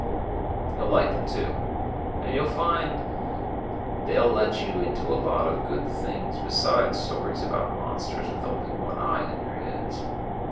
You'll like them, too ; and you'll find they'll let you into a lot of good things besides stories about monsters with only one eye in their heads.